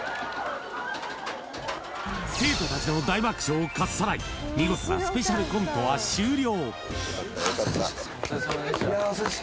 生徒たちの大爆笑をかっさらい、見事なスペシャルコントは終了。